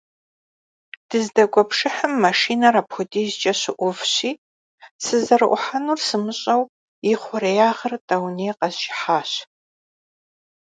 Дыздэкӏуэ пшыхьым машинэр апхуэдизкӏэ щыӏувщи, сызэрыӏухьэнур сымыщӏэу, и хъуреягъыр тӏэуней къэзжыхьащ.